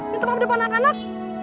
minta maaf depan anak anak